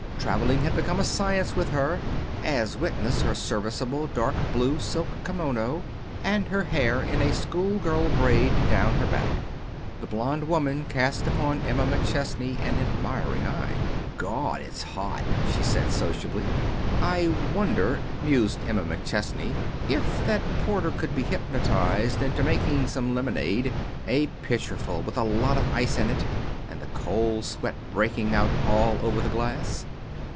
Traveling had become a science with her, as witness her serviceable dark blue silk kimono, and her hair in a schoolgirl braid down her back. The blonde woman cast upon Emma McChesney an admiring eye. "Gawd, ain't it hot!" she said, sociably. "I wonder," mused Emma McChesney, "if that porter could be hypnotized into making some lemonade a pitcherful, with a lot of ice in it, and the cold sweat breaking out all over the glass?